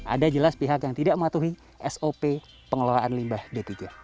ada jelas pihak yang tidak mematuhi sop pengelolaan limbah d tiga